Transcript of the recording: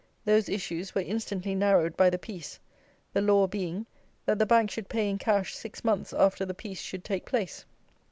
Those issues were instantly narrowed by the peace, the law being, that the Bank should pay in cash six months after the peace should take place.